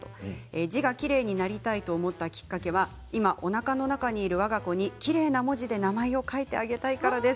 字がきれいになりたいと思ったきっかけは今、おなかの中にいるわが子にきれいな文字で名前を書いてあげたいからです。